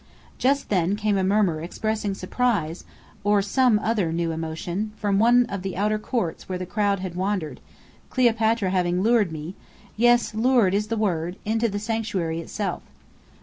Just then came a murmur expressing surprise or some other new emotion, from one of the outer courts where the crowd wandered, Cleopatra having lured me yes, "lured" is the word into the sanctuary itself.